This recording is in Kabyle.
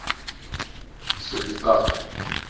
Selfex.